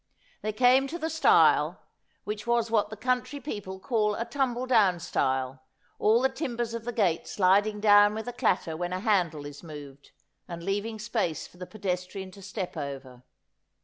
They came to the stile, which was what the country people call a tumble down stile, all the timbers of the gate sliding down with a clatter when a handle is moved, and leaving space for the pedestrian to step over.